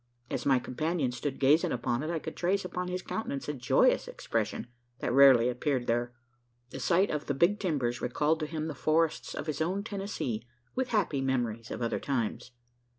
As my companion stood gazing upon it, I could trace upon his countenance a joyous expression, that rarely appeared there. The sight of the "Big Timbers" recalled to him the forests of his own Tennessee with happy memories of other times.